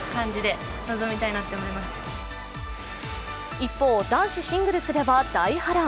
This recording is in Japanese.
一方、男子シングルスでは大波乱。